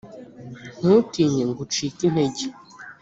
ntutinye, ngo ucike intege!